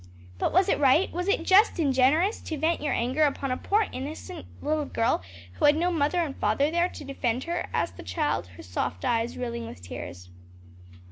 "But was it right? was it just and generous to vent your anger upon a poor little innocent girl who had no mother and no father there to defend her?" asked the child, her soft eyes rilling with tears.